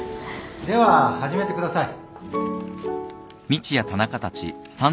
では始めてください。